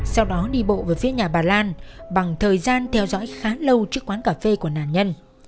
sau đó đi bộ về phía nhà bà lan bằng thời gian theo dõi khá lâu trước quán cà phê của nạn nhân